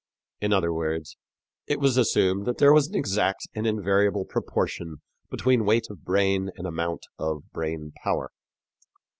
In other words, it was assumed that there was an exact and invariable proportion between weight of brain and amount of brain power.